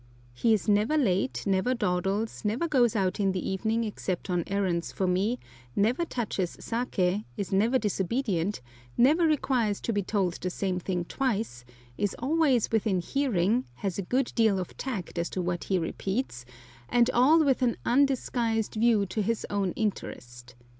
He is never late, never dawdles, never goes out in the evening except on errands for me, never touches saké, is never disobedient, never requires to be told the same thing twice, is always within hearing, has a good deal of tact as to what he repeats, and all with an undisguised view to his own interest.